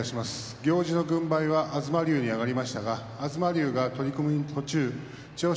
行司の軍配は東龍に上がりましたが東龍が取組の途中千代翔